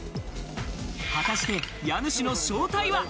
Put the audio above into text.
果たして家主の正体は？